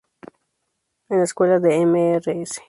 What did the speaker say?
En la escuela de Mrs.